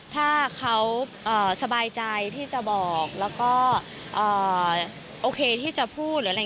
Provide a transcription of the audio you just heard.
ถ้าเขาสบายใจที่จะบอกแล้วก็โอเคที่จะพูดหรืออะไร